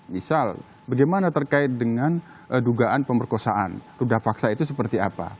misal bagaimana terkait dengan dugaan pemerkosaan sudah paksa itu seperti apa